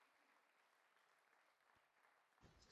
雾社事件是台湾人在日治时代最后一次武装抗日行动。